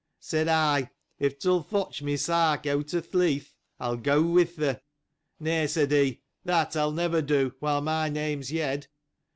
Said I, if thou wilt fetch my sark out of the barn, I will go with thee. Nay, said he, that I will never do, while my name's Yed.